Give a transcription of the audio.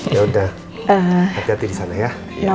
yaudah hati hati disana ya